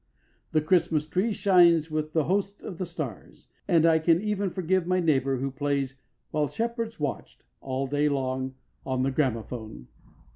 The Christmas tree shines with the host of the stars, and I can even forgive my neighbour who plays "While shepherds watched" all day long on the gramophone.